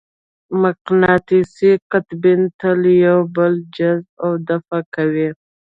مقناطیسي قطبین تل یو بل جذب او دفع کوي.